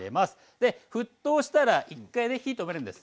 で沸騰したら１回ね火止めるんです。